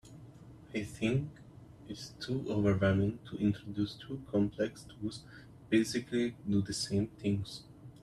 I think it’s too overwhelming to introduce two complex tools that basically do the same things.